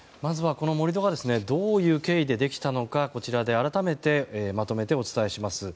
この盛り土がどういう経緯でできたのかこちらで改めてまとめてお伝えします。